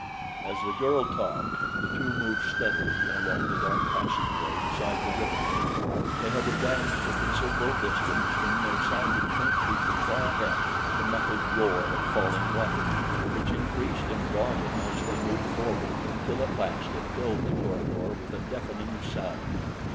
As the girl talked, the two moved steadily along the dark passageway beside the river. They had advanced a considerable distance when there sounded faintly from far ahead the muffled roar of falling water, which increased in volume as they moved forward until at last it filled the corridor with a deafening sound.